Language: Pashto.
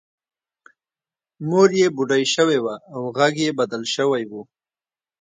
مور یې بوډۍ شوې وه او غږ یې بدل شوی و